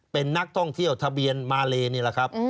เป็นนักท่องเที่ยวทะเบียนมาเลนี่แหละครับ